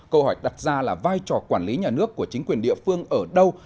câu hỏi đặt ra là vai trò quản lý nhà nước của chính quyền địa phương ở đâu